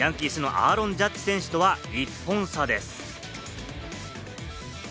首位・ヤンキースのアーロン・ジャッジ選手とは１本差です。